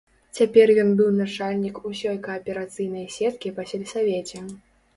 Цяпер ён быў начальнік усёй кааперацыйнай сеткі па сельсавеце.